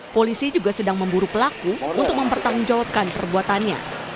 polisi juga sedang memburu pelaku untuk mempertanggungjawabkan perbuatannya